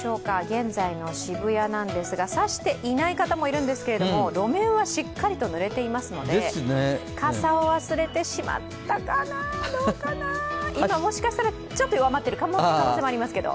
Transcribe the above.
現在の渋谷なんですが差していない方もいるんですが路面はしっかりと濡れていますので、傘を忘れてしまったかな、どうかな、今、もしかしたらちょっと弱まっている可能性もありますけど。